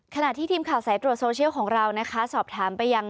ขณะที่ทีมข่าวสายตรวจโซเชียลของเรานะคะสอบถามไปยัง